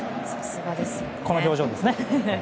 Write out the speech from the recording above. この表情ですね。